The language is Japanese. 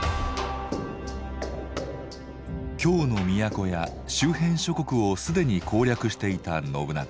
京の都や周辺諸国を既に攻略していた信長。